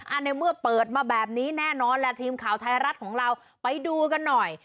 ในเมื่อเปิดมาแบบนี้แน่นอนแหละทีมข่าวไทยรัฐของเราไปดูกันหน่อย